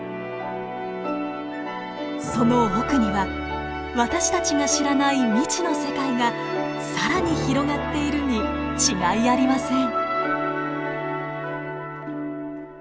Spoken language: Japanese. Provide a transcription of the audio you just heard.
その奥には私たちが知らない未知の世界が更に広がっているに違いありません。